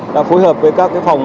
đã phối hợp với các phòng